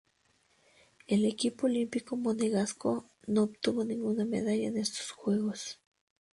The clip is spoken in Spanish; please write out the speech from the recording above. El equipo olímpico monegasco no obtuvo ninguna medalla en estos Juegos.